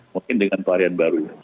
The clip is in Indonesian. mungkin dengan varian baru